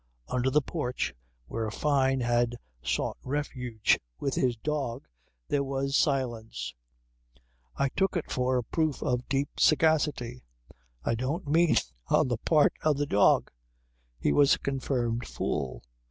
Under the porch where Fyne had sought refuge with the dog there was silence. I took it for a proof of deep sagacity. I don't mean on the part of the dog. He was a confirmed fool.